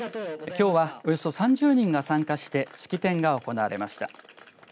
きょうは、およそ３０人が参加して式典が行われました。